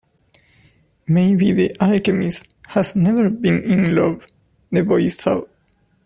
Maybe the alchemist has never been in love, the boy thought.